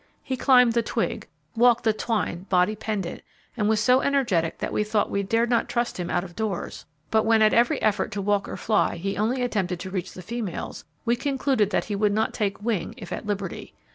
He climbed the twig, walked the twine body pendent, and was so energetic that we thought we dared not trust him out of doors; but when at every effort to walk or fly he only attempted to reach the females, we concluded that he would not take wing if at liberty.